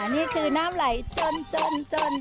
นี่คือน้ำไหลจน